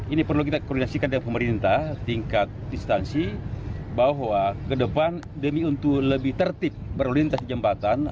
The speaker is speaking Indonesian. ini perlu kita koordinasikan dengan pemerintah tingkat instansi bahwa ke depan demi untuk lebih tertib berlintas di jembatan